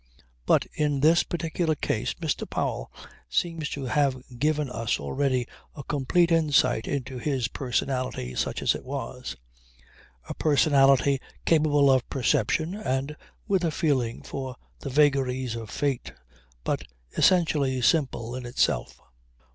But in this particular case Mr. Powell seemed to have given us already a complete insight into his personality such as it was; a personality capable of perception and with a feeling for the vagaries of fate, but essentially simple in itself.